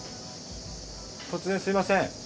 突然すみません。